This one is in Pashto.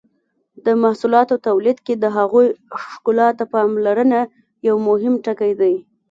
د محصولاتو تولید کې د هغوی ښکلا ته پاملرنه یو مهم ټکی دی.